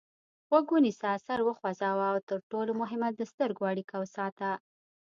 غوږ ونیسه سر وخوځوه او تر ټولو مهمه د سترګو اړیکه وساته.